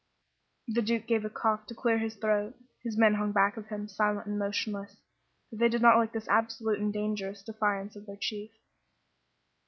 The Duke gave a cough to clear his throat. His men hung back of him, silent and motionless, for they did not like this absolute and dangerous defiance of their chief.